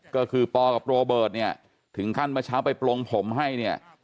ก็คือปกับโรเบิร์ตถึงขั้นเมื่อเช้าไปปลงผมให้